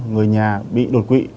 người nhà bị đột quỵ